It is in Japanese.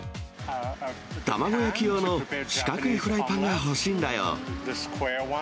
卵焼き用の四角いフライパンが欲しいんだよ。